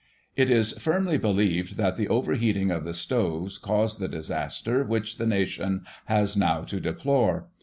"It is firmly believed that the overheating of the stoves caused the disaster which the nation has now to deplore.